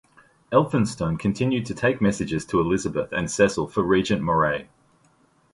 Elphinstone continued to take messages to Elizabeth and Cecil for Regent Moray.